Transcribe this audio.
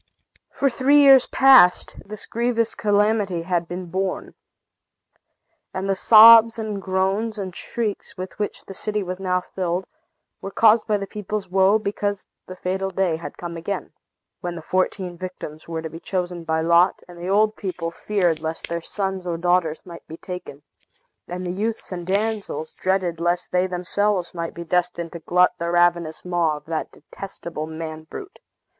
For three years past, this grievous calamity had been borne. And the sobs, and groans, and shrieks, with which the city was now filled, were caused by the people's woe, because the fatal day had come again, when the fourteen victims were to be chosen by lot; and the old people feared lest their sons or daughters might be taken, and the youths and damsels dreaded lest they themselves might be destined to glut the ravenous maw of that detestable man brute.